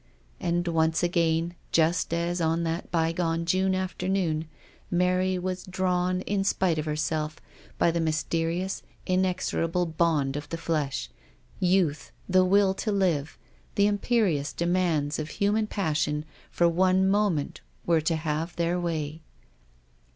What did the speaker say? And once again, just as on that bygone June afternoon, Mary was drawn, in spite of herself, by the mysterious, inexorable bond of the flesh. Youth, the will to live, the imperious demands of human passion for one moment were to have their way.